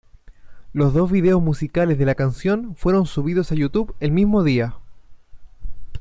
Los dos vídeos musicales de la canción fueron subidos a YouTube el mismo día.